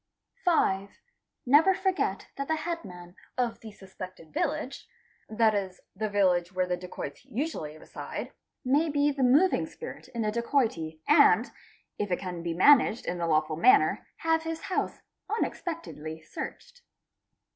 5. Never forget that the headman of the suspected village, that is the village where the dacoits usually reside, may be the moving spirit in a dacoity and, if it can be managed in a lawful manner, have his house unexpectedly searched.